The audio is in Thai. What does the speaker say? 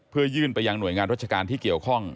เพื่อยื่นไปยังหน่วยงานราชการที่เกี่ยวข้อง